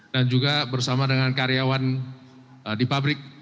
dan juga bersama dengan karyawan di pabrik